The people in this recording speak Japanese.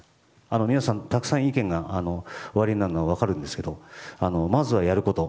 皆さん、たくさん意見がおありになるのは分かるんですけどまずはやること。